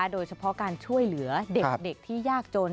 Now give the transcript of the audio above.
โดยเฉพาะการช่วยเหลือเด็กที่ยากจน